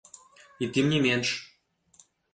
І тым не менш!